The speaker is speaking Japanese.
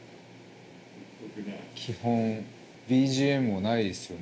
基本ＢＧＭもないですよね。